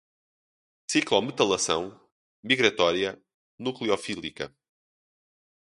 ciclometalação, migratória, nucleofílica